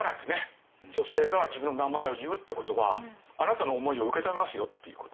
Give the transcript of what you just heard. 女性が自分の名前を言うってことはあなたの思いを受け止めますよっていうこと。